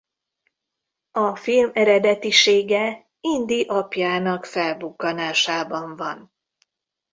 A film eredetisége Indy apjának felbukkanásában van.